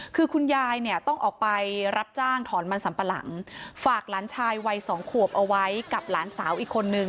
คือคุณยายเนี่ยต้องออกไปรับจ้างถอนมันสัมปะหลังฝากหลานชายวัยสองขวบเอาไว้กับหลานสาวอีกคนนึง